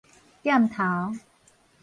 店頭